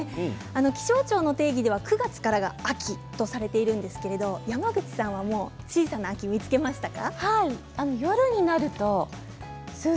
気象庁の定義では９月からが秋とされているんですけど山口さんはもう小さな秋は見つけましたか？